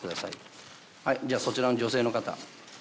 じゃそちらの女性の方。